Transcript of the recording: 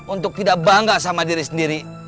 untuk tidak bangga sama diri sendiri